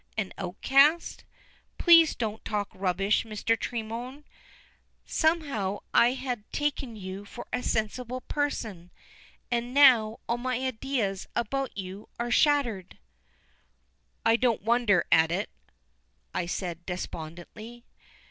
"An outcast? Please don't talk rubbish, Mr. Tremorne! Somehow I had taken you for a sensible person, and now all my ideas about you are shattered." "I don't wonder at it," I said despondently.